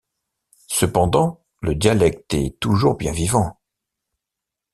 Cependant, le dialecte est toujours bien vivant.